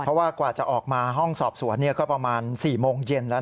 เพราะว่ากว่าจะออกมาห้องสอบสวนก็ประมาณ๔โมงเย็นแล้ว